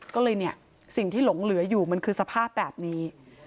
ก็เลยเนี่ยสิ่งที่หลงเหลืออยู่มันคือสภาพแบบนี้